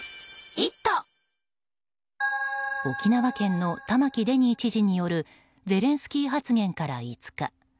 沖縄県の玉城デニー知事によるゼレンスキー発言から５日